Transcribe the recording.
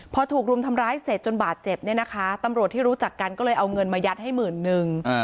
พอถูกรุมทำร้ายเสร็จจนบาดเจ็บเนี่ยนะคะตำรวจที่รู้จักกันก็เลยเอาเงินมายัดให้หมื่นนึง